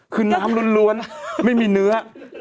คือน้ำล้วนไม่มีเนื้อ